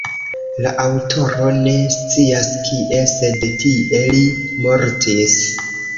La aŭtoro ne scias kie, sed tie li mortis.